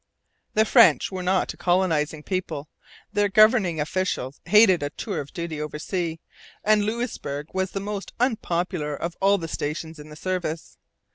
The French were not a colonizing people, their governing officials hated a tour of duty oversea, and Louisbourg was the most unpopular of all the stations in the service.